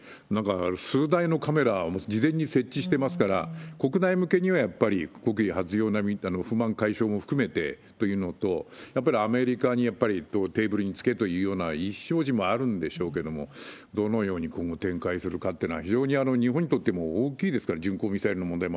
数台のカメラ、事前に設置してますから、国内向けには、やっぱり国威発揚、不満解消も含めてというのと、やっぱりアメリカにやっぱりテーブルにつけというような意思表示もあるんでしょうけれども、どのように今後、展開するかっていうのは、非常に日本にとっても大きいですから、そうですね。